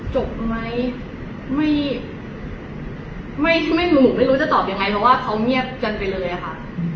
จบไหมไม่ไม่หนูไม่รู้จะตอบยังไงเพราะว่าเขาเงียบกันไปเลยค่ะ